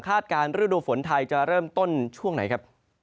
การฤดูฝนไทยจะเริ่มต้นช่วงไหนครับ